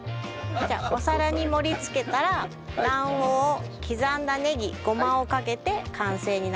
じゃあお皿に盛り付けたら卵黄刻んだネギごまをかけて完成になります。